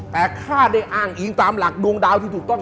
แต่ข้าได้อ้างอิงตามหลักดวงดาวที่ถูกต้อง